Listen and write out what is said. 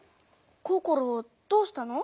ココロどうしたの？